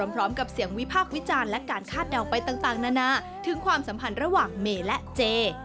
พร้อมกับเสียงวิพากษ์วิจารณ์และการคาดเดาไปต่างนานาถึงความสัมพันธ์ระหว่างเมและเจ